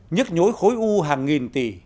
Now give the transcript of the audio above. nhất nhối khối u hàng nghìn tỷ